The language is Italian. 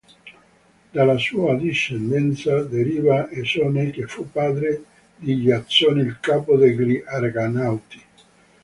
Dalla sua discendenza deriva Esone che fu padre di Giasone il capo degli Argonauti.